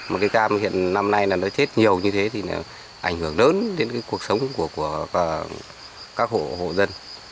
một cây cam hiện năm nay nó chết nhiều như thế thì nó ảnh hưởng lớn đến cuộc sống của các hộ dân